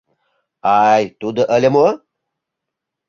— Ай, тудо ыле мо?